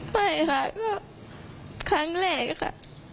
ไม่ครับครับครั้งแรกค่ะ